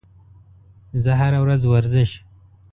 زه هره ورځ ورزش